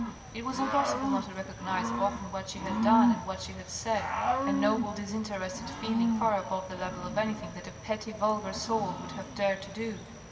It was impossible not to recognise both in what she had done and what she had said, a noble disinterested feeling far above the level of anything that a petty vulgar soul would have dared to do